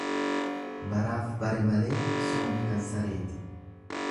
Baraaf bare malee sombi kan sareeti.